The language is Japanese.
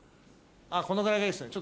このぐらいがいいですね。